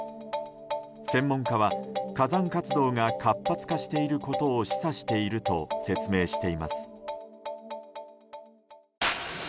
専門家は火山活動が活発化していることを示唆していると説明しています。